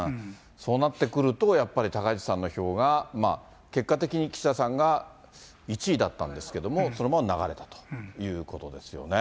そうなってくると、やっぱり高市さんの票が、結果的に岸田さんが１位だったんですけれども、そのまま流れたということですよね。